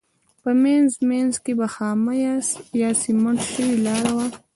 په منځ منځ کې به خامه یا سمنټ شوې لاره وه.